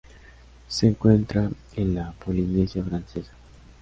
Se encuentra en la Polinesia Francesa.